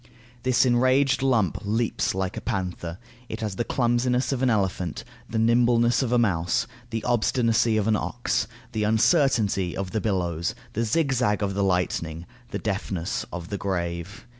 This enraged lump leaps like a panther, it has the clumsiness of an elephant, the nimbleness of a mouse, the obstinacy of an ox, the uncertainty of the billows, the zigzag of the lightning, the deafness of the grave.